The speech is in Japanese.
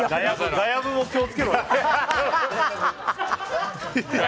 ガヤブも気を付けろよ。